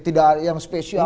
tidak ada yang spesial